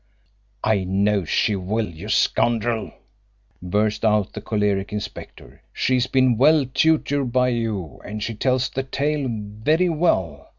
"I know she will, you scoundrel!" burst out the choleric inspector. "She's been well tutored by you, and she tells the tale very well.